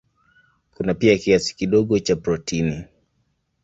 Kuna pia kiasi kidogo cha protini.